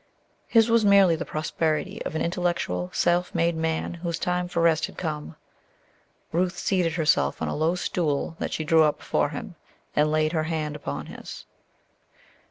His was merely the prosperity of an intellectual, self made man whose time for rest had come. Ruth seated herself on a low stool that she drew up before him, and laid her hand upon his.